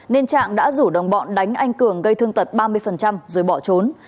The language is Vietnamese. nên trạng đã rủ đồng bọn đánh anh cường gây thương tật ba mươi rồi bỏ trốn